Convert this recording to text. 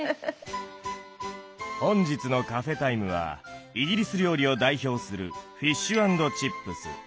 本日のカフェタイムはイギリス料理を代表するフィッシュ＆チップス。